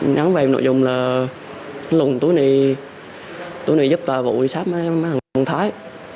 nhắn về nội dung là lùng túi này giúp tà vụ đi sát mấy thằng măng thái